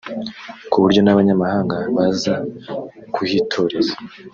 ku buryo n’abanyamahanga baza kuhitoreza